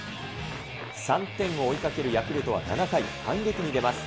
３点を追いかけるヤクルトは７回、反撃に出ます。